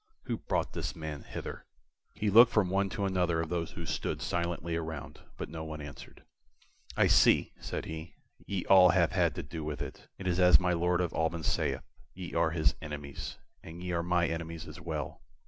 Who brought this man hither?" He looked from one to another of those who stood silently around, but no one answered. "I see," said he, "ye all have had to do with it. It is as my Lord of Alban sayeth; ye are his enemies, and ye are my enemies as well.